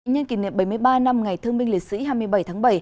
nhân kỷ niệm bảy mươi ba năm ngày thương minh liệt sĩ hai mươi bảy tháng bảy